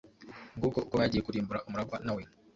Nguko uko bagiye kurimbura umuragwa na we